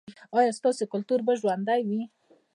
ایا ستاسو کلتور به ژوندی وي؟